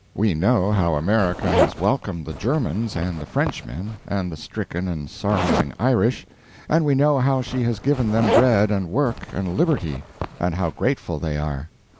We know how America has welcomed the Germans and the Frenchmen and the stricken and sorrowing Irish, and we know how she has given them bread and work, and liberty, and how grateful they are.